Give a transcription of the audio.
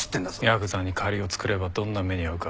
ヤクザに借りを作ればどんな目に遭うか。